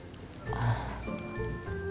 ああ。